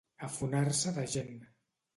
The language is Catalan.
Afonar-se de gent.